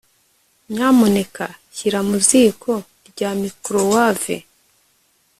nyamuneka shyira mu ziko rya microwave